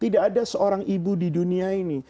tidak ada seorang ibu di dunia ini